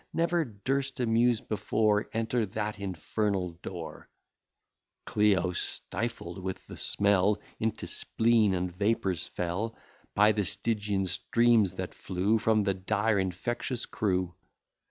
Never durst a Muse before Enter that infernal door; Clio, stifled with the smell, Into spleen and vapours fell, By the Stygian steams that flew From the dire infectious crew.